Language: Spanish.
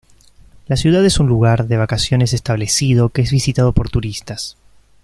La ciudad es un lugar de vacaciones establecido, que es visitado por turistas.